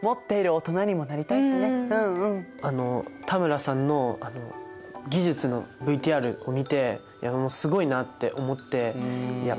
田村さんの技術のＶＴＲを見ていやもうすごいなって思っていや